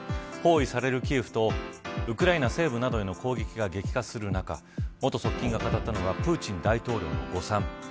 包囲されるキエフとウクライナ西部などへの攻撃が激化する中元側近が語ったのはプーチン大統領の誤算。